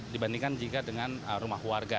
dibandingkan jika dengan rumah warga